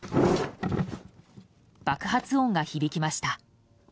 爆発音が響きました。